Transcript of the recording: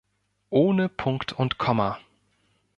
Ohne Punkt und Komma.